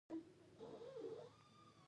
زړه د بدن د نورو غړو لپاره حیاتي ارزښت لري.